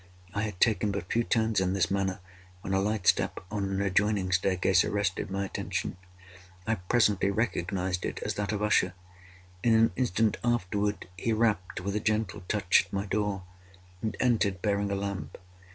I had taken but few turns in this manner, when a light step on an adjoining staircase arrested my attention. I presently recognised it as that of Usher. In an instant afterward he rapped, with a gentle touch, at my door, and entered, bearing a lamp.